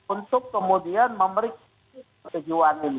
untuk kemudian memeriksa kejiwaan ini